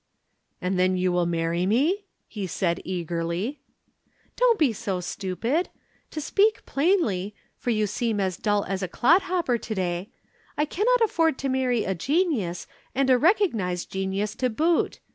"And then you will marry me?" he said eagerly. "Don't be so stupid! To speak plainly, for you seem as dull as a clod hopper to day, I cannot afford to marry a genius, and a recognized genius to boot.